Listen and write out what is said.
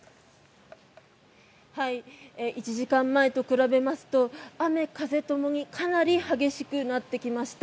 １時間前と比べますと雨風ともにかなり激しくなってきました。